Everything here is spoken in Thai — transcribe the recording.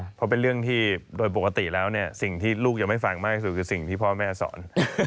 เพราะเป็นเรื่องที่โดยปกติแล้วเนี่ยสิ่งที่ลูกยังไม่ฟังมากที่สุดคือสิ่งที่พ่อแม่สอน